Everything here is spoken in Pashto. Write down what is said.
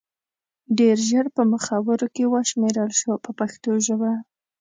ډېر ژر په مخورو کې وشمېرل شو په پښتو ژبه.